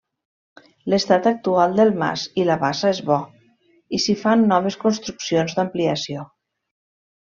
L’estat actual del mas i la bassa és bo, i s'hi fan noves construccions d’ampliació.